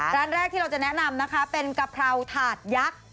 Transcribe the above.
ร้านแรกที่เราจะแนะนำนะคะเป็นกะเพราถาดยักษ์